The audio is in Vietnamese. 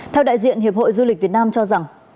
theo đại diện hiệp hội du lịch việt nam cho rằng